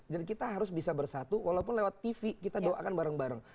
jadi kita harus bisa bersatu walaupun lewat tv kita doakan bareng bareng